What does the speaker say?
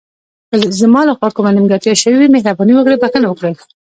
که زما له خوا کومه نیمګړتیا شوې وي، مهرباني وکړئ بښنه وکړئ.